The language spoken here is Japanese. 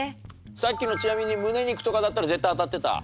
さっきのちなみにムネ肉とかだったら絶対当たってた？